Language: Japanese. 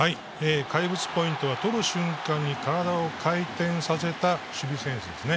怪物ポイントはとる瞬間に体を回転させた守備センスですね。